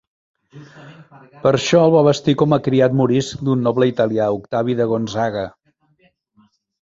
Per això, el va vestir com a criat morisc d'un noble italià, Octavi de Gonzaga.